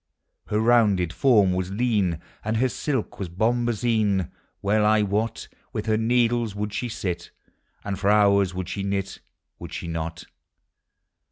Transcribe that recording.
Her rounded form was lean, And her silk was bombazine: Well I wot With her needles would she sit, And for hours would she knit,— Would she not?